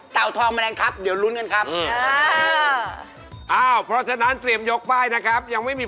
เต่าทองมะแรงครับเดี๋ยวลุ้นกันครับ